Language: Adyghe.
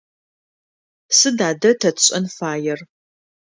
Сыд адэ тэ тшӏэн фаер?